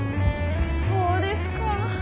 そうですか。